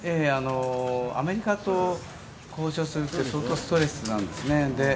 アメリカと交渉するって相当ストレスなんですね